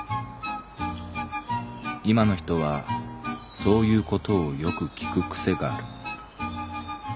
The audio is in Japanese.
いまの人はそういうことをよく聞く癖がある。